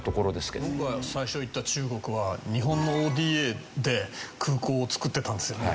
僕が最初に行った中国は日本のＯＤＡで空港を造っていたんですよね